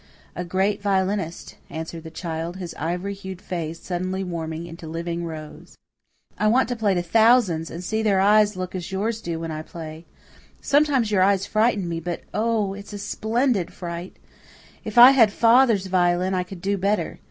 "A great violinist," answered the child, his ivory hued face suddenly warming into living rose. "I want to play to thousands and see their eyes look as yours do when I play. Sometimes your eyes frighten me, but oh, it's a splendid fright! If I had father's violin I could do better.